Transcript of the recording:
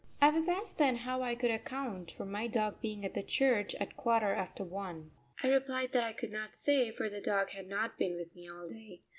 I was asked then how I could account for my dog being in the church at quarter after one. I replied that I could not say, for the dog had not been with me all day.